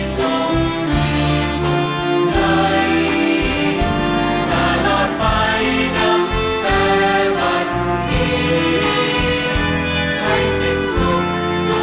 ขอบความจากฝ่าให้บรรดาดวงคันสุขสิทธิ์